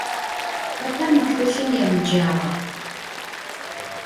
Xeta mı txılhım yêmıcağer?